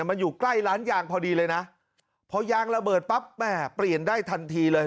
มันอยู่ใกล้ล้านยางพอดีเลยนะเพราะยางระเบิดปรียนได้ทันทีเลย